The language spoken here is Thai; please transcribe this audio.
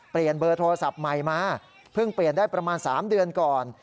เปลี่ยนเบอร์โทรศัพท์ใหม่มาเพิ่งเปลี่ยนได้ประมาณ๓เดือนก่อน